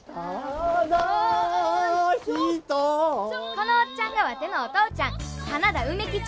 このおっちゃんがワテのお父ちゃん花田梅吉